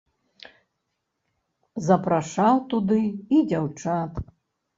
Запрашаў туды і дзяўчат.